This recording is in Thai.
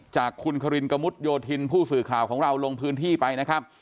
จากคุณครินกระมุดโยธินผู้สื่อข่าวของเราลงพื้นที่ไปนะครับ